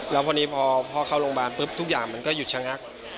แล้วพอดีพอเข้าโรงพยาบาลปุ๊บทุกอย่างมันก็หยุดชะงัก